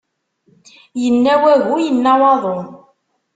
Yenna wagu, yenna waḍu.